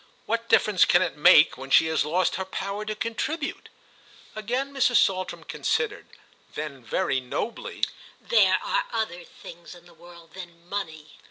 What difference can it make when she has lost her power to contribute?" Again Mrs. Saltram considered; then very nobly: "There are other things in the world than money."